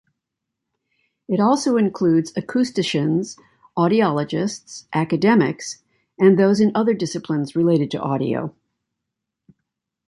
It also includes acousticians, audiologists, academics, and those in other disciplines related to audio.